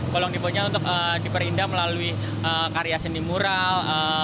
kolong diponya untuk diperindah melalui karya seni mural